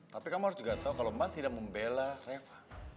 tapi kamu harus juga tau kalo mas tidak membela reva